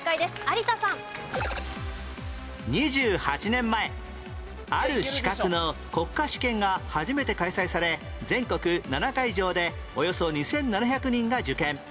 ２８年前ある資格の国家試験が初めて開催され全国７会場でおよそ２７００人が受験